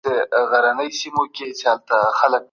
ماشوم ته ډېر خواږه مه ورکوئ.